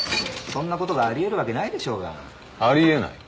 そんなことがあり得るわけないでしょうがあり得ない？